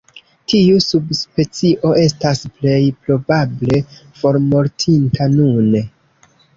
Tiu subspecio estas plej probable formortinta nune.